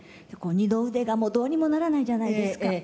二の腕がもうどうにもならないじゃないですか。